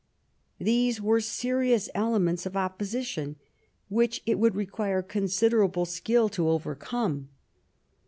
These were serious elements of opposition, which it would require considerable skill to overcome.